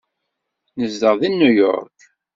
Nezdeɣ deg New York.